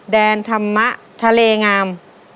แดนธรรมะทะเลงาม